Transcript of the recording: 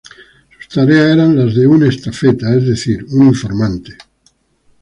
Sus tareas eran las de un estafeta, es decir, un informante.